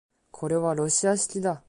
これはロシア式だ